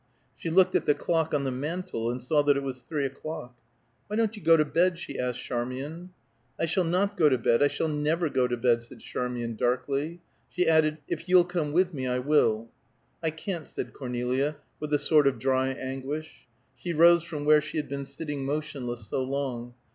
She looked at the clock on the mantel, and saw that it was three o'clock. "Why don't you go to bed?" she asked Charmian. "I shall not go to bed, I shall never go to bed," said Charmian darkly. She added, "If you'll come with me, I will." "I can't," said Cornelia, with a sort of dry anguish. She rose from where she had been sitting motionless so long.